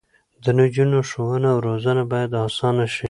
د نجونو ښوونه او روزنه باید اسانه شي.